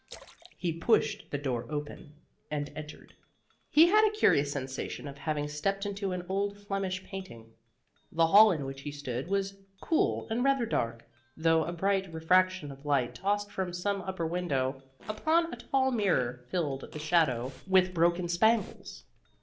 He pushed the door open, and entered. He had a curious sensation of having stepped into an old Flemish painting. The hall in which he stood was cool and rather dark, though a bright refraction of light tossed from some upper window upon a tall mirror filled the shadow with broken spangles.